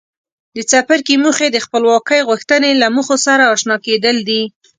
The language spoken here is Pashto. د څپرکي موخې د خپلواکۍ غوښتنې له موخو سره آشنا کېدل دي.